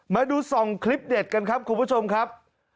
มาดูส่องคลิปเด็ดกันครับคุณผู้ชมครับ